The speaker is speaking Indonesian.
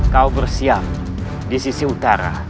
kau bersiap di sisi utara